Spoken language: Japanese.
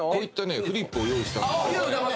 フリップを用意したんです。